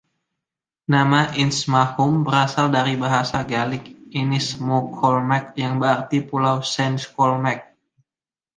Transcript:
Nama "Inchmahome" berasal dari bahasa Gaelik "Innis MoCholmaig", yang berarti Pulau Saint Colmaig.